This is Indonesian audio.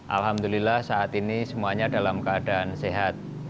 alhamdulillah saat ini semuanya dalam keadaan sehat